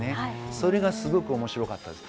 それがすごく面白かったです。